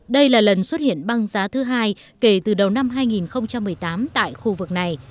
đây là lần xuất hiện băng giá thứ hai kể từ đầu năm hai nghìn một mươi tám tại khu vực này